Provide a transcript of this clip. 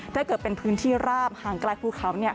ถ้าเกิดเป็นพื้นที่ราบห่างไกลภูเขา